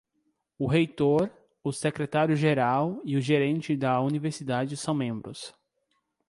O reitor, o secretário geral e o gerente da universidade são membros.